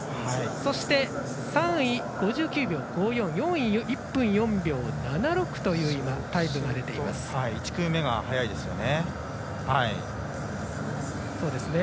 そして、３位、５９秒５４４位、１分４秒７６という１組目が速いですよね。